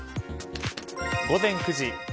午前９時。